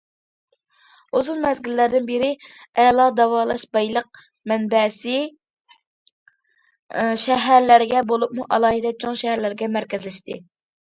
ئۇزۇن مەزگىللەردىن بېرى، ئەلا داۋالاش بايلىق مەنبەسى شەھەرلەرگە بولۇپمۇ ئالاھىدە چوڭ شەھەرلەرگە مەركەزلەشتى.